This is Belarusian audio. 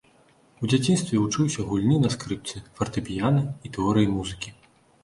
У дзяцінстве вучыўся гульні на скрыпцы, фартэпіяна і тэорыі музыкі.